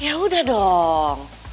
ya udah dong